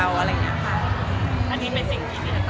อันนี้เป็นสิ่งที่ทีเต็มตั้งใจไม้คะพี่ว่า